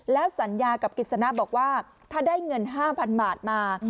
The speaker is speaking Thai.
แล้วสัญญากับกิจสนะบอกว่าถ้าได้เงิน๕๐๐๐บาทมา